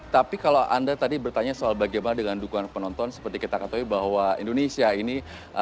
tapi kalau anda tadi bertanya soal bagaimana dengan dukungan penonton seperti kita ketahui bahwa indonesia ini